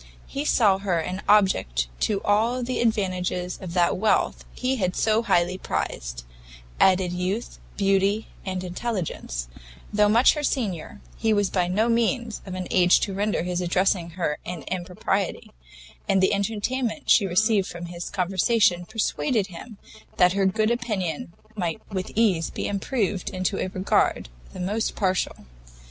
He here saw an object who to all the advantages of that wealth he had so highly prized, added youth, beauty, and intelligence; though much her senior, he was by no means of an age to render his addressing her an impropriety, and the entertainment she received from his conversation, persuaded him that her good opinion might with ease be improved into a regard the most partial.